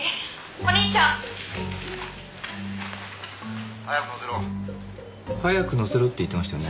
お兄ちゃん」「早く乗せろ」「早く乗せろ」って言ってましたよね？